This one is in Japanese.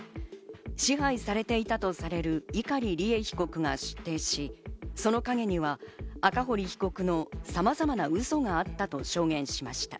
支配されていたとされる碇利恵被告が出廷し、その陰には赤堀被告のさまざまなウソがあったと証言しました。